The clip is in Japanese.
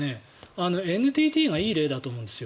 ＮＴＴがいい例だと思うんです。